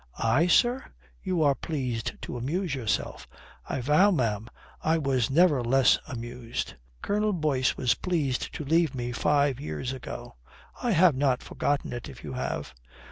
"I, sir? You are pleased to amuse yourself." "I vow, ma'am, I was never less amused." "Colonel Boyce was pleased to leave me five years ago. I have not forgotten it, if you have."